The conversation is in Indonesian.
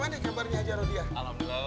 aduh aduh aduh aduh